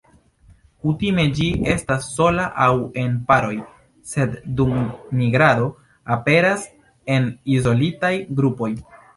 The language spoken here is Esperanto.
Kutime ĝi estas sola aŭ en paroj, sed dum migrado aperas en izolitaj grupoj.